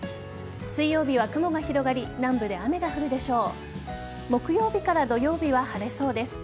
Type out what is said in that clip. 水曜日は雲が広がり南部で雨が降るでしょう。